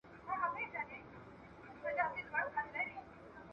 قربان تر خپله کوره، چي خبره سي په زوره.